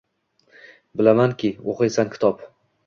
Bilamanki, o’qiysan kitob